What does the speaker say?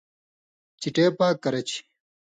چِٹے پاک کرہ چھی۔